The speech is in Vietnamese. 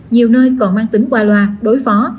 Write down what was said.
nhiều nơi còn mang tính qua loa đối phó